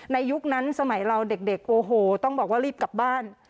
ยุคนั้นสมัยเราเด็กโอ้โหต้องบอกว่ารีบกลับบ้าน